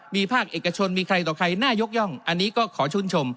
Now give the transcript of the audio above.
มีภาคเอกชนมีใครต่อใครน่ายกย่องอันนี้ก็ขอชื่นชม